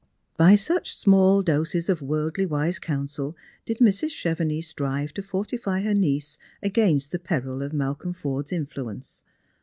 By such small doses of worldly wise counsel did Mrs. Chevenix strive to fortify her niece against the peril of Mal colm Forde's influence.